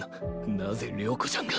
なぜ了子ちゃんが？